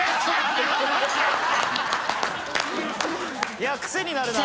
いクセになるな。